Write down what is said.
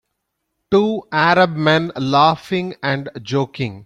Two arab men laughing and joking